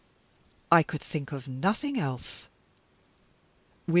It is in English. I could think of nothing else.